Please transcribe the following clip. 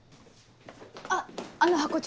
あっあのハコ長。